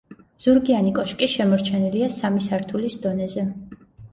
ზურგიანი კოშკი შემორჩენილია სამი სართულის დონეზე.